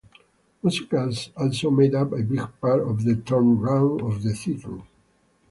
Musicals also made up a big part of the turnaround of the theatre.